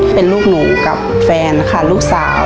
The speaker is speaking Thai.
เป็นลูกหนูกับแฟนค่ะลูกสาว